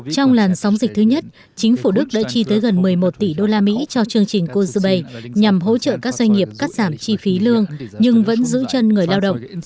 trong làn sóng dịch thứ nhất chính phủ đức đã chi tới gần một mươi một tỷ đô la mỹ cho chương trình kozobay nhằm hỗ trợ các doanh nghiệp cắt giảm chi phí lương nhưng vẫn giữ chân người lao động